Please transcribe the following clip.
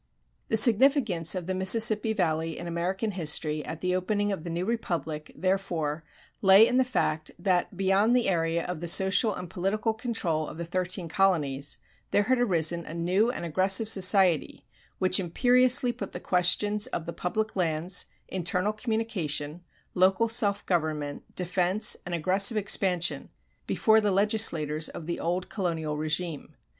The significance of the Mississippi Valley in American history at the opening of the new republic, therefore, lay in the fact that, beyond the area of the social and political control of the thirteen colonies, there had arisen a new and aggressive society which imperiously put the questions of the public lands, internal communication, local self government, defense, and aggressive expansion, before the legislators of the old colonial régime.